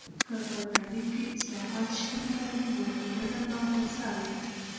که په تعلیم کې اصلاحات شتون ولري، نو ټولنه به هوسا وي.